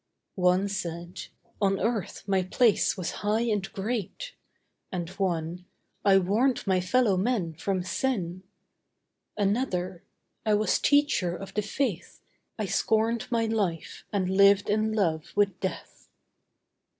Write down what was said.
One said: 'On earth my place was high and great;' And one: 'I warned my fellow men from sin;' Another: 'I was teacher of the faith; I scorned my life and lived in love with death.